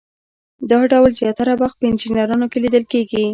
دا ډول زیاتره وخت په انجینرانو کې لیدل کیږي.